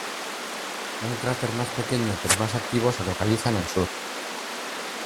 Un cráter más pequeño pero más activo se localiza en el sur.